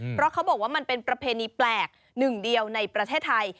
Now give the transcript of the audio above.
เพราะเขาบอกว่ามันเป็นประเพณีแปลกหนึ่งเดียวในประเทศไทย